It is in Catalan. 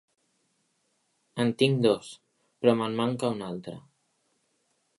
En tinc dos, però me'n manca un altre.